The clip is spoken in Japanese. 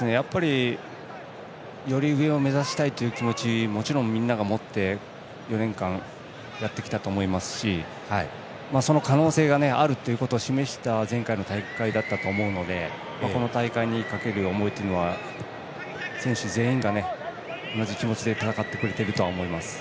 より上を目指したい気持ちもちろんみんなが持って４年間やってきたと思いますしその可能性があることを示した前回の大会だったと思うのでこの大会にかける思いは選手全員が同じ気持ちで戦ってくれていると思います。